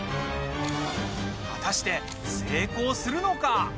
果たして、成功するのか？